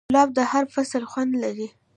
ګلاب د هر فصل خوند لري.